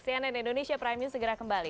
cnn indonesia prime news segera kembali